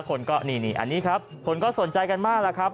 คนก็นี่อันนี้ครับคนก็สนใจกันมากแล้วครับ